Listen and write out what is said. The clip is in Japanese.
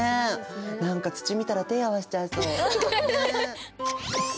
何か土見たら手合わせちゃいそう。